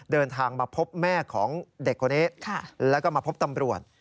เดินทางมาพบแม่ของเด็กคนนี้แล้วก็มาพบตำรวจ